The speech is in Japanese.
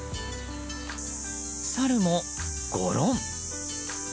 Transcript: サルもゴロン。